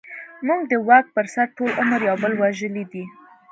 موږ د واک پر سر ټول عمر يو بل وژلې دي.